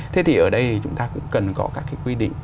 thế thì ở đây chúng ta cũng cần có các cái quy định